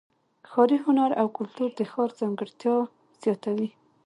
ښاري هنر او کلتور د ښار ځانګړتیا زیاتوي.